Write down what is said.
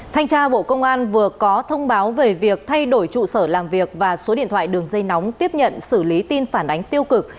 thanh tra bộ công an vừa có thông báo về việc thay đổi trụ sở làm việc và số điện thoại đường dây nóng tiếp nhận xử lý tin phản ánh tiêu cực